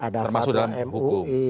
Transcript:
termasuk dalam hukum